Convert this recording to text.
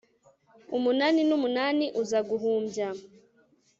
Umunani numunani uza guhumbya